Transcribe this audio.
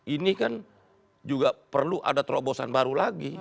ini kan juga perlu ada terobosan baru lagi